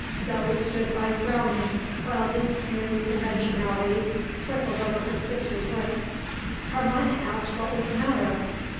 Zo stood by frowning, while these smooth conventionalities trickled over her sister's lips. Carmina asked what was the matter.